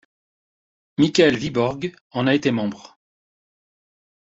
Mikael Viborg en a été membre.